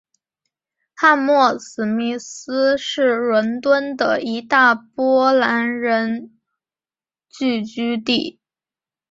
汉默史密斯是伦敦的一大波兰人聚居地。